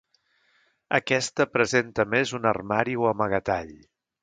Aquesta presenta a més un armari o amagatall.